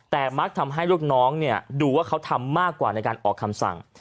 แต่มักทำให้ลูกน้องดูว่าเขาทำมากกว่าในการออกคำสั่ง